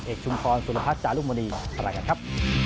เอกชุมพรสุรพัฒน์จารุมณีภาระกันครับ